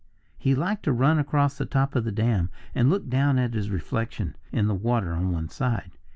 He liked to run across the top of the dam and look down at his reflection in the water on one side.